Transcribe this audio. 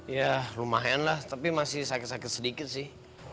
ya lumayan lah tapi masih sakit sakit sedikit sih